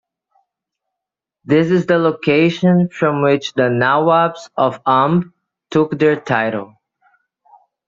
This is the location from which the Nawabs of Amb took their title.